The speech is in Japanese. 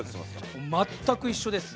全く一緒です。